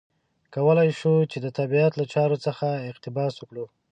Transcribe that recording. کولای شي چې د طبیعت له چارو څخه اقتباس وکړي.